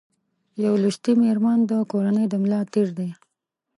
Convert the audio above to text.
یو لوستي مېرمن د کورنۍ د ملا تېر ده